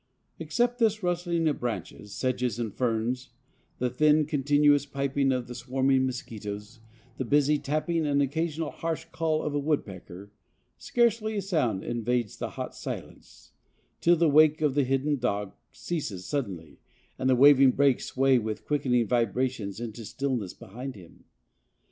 Except this rustling of branches, sedges and ferns, the thin, continuous piping of the swarming mosquitoes, the busy tapping and occasional harsh call of a woodpecker, scarcely a sound invades the hot silence, till the wake of the hidden dog ceases suddenly and the waving brakes sway with quickening vibrations into stillness behind him.